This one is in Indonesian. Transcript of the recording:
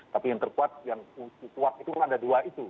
tapi yang terkuat yang kuat itu kan ada dua itu